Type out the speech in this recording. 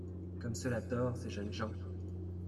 —comme cela dort, ces jeunes gens !